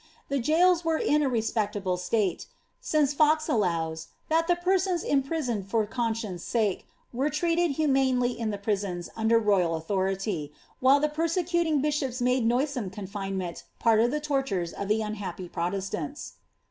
The gaob were in a respectable state ; since Fox allows, that the persons impri soned for conscience' sake were treaited humanely in the prisons under ro3ral authority, while the persecuting bishops made noisome confine ment part of the tortures of the unhappy Protestants.